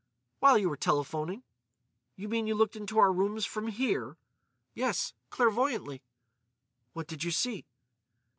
"While you were telephoning." "You mean you looked into our rooms from here?" "Yes, clairvoyantly." "What did you see?"